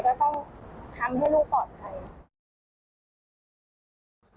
จะต้องทำให้ลูกปลอดภัย